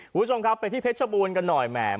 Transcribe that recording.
คุณผู้ชมครับไปที่เพชรบูรณ์กันหน่อยแหม